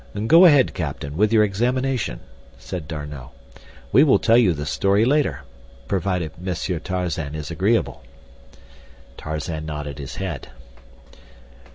"Go ahead, captain, with your examination," said D'Arnot, "we will tell you the story later—provided Monsieur Tarzan is agreeable." Tarzan nodded his head.